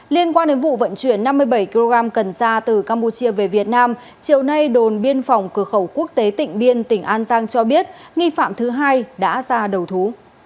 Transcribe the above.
liên quan đến vụ vận chuyển năm mươi bảy kg cần ra từ campuchia về việt nam chiều nay đồn biên phòng cửa khẩu quốc tế tịnh biên tỉnh an giang cho biết nghi phạm thứ hai đã ra đầu thú